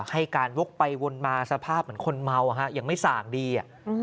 ให้การวกไปวนมาสภาพเหมือนคนเมายังไม่ส่างดี